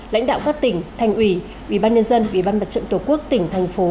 lãnh đạo các tỉnh thành ủy ủy ban nhân dân ủy ban mặt trận tổ quốc tỉnh thành phố